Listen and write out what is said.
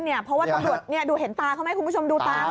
เดี๋ยวดูเห็นตาเขาไหมคุณผู้ชม